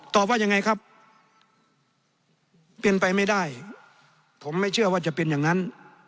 ว่ายังไงครับเป็นไปไม่ได้ผมไม่เชื่อว่าจะเป็นอย่างนั้น